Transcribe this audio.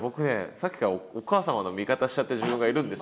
さっきからお母様の味方しちゃってる自分がいるんです。